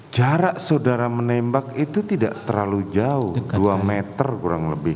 jarak saudara menembak itu tidak terlalu jauh dua meter kurang lebih